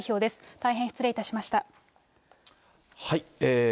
大変失礼いたしました。